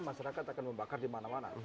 masyarakat akan membakar dimana mana